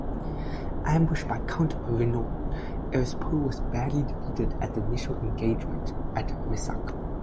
Ambushed by Count Renaud, Erispoe was badly defeated at the initial engagement at Messac.